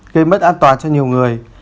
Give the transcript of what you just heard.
gây mất an toàn cho nhiều người